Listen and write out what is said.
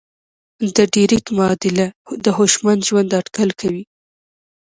د ډریک معادله د هوشمند ژوند اټکل کوي.